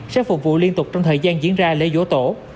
sẽ phục vụ liên tục trong thời gian diễn ra lễ dỗ tổ